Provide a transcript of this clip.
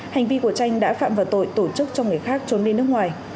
hành vi của tranh đã phạm vào tội tổ chức cho người khác trốn đi nước ngoài